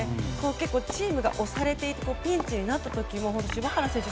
結構チームが押されているピンチになった時も柴原選手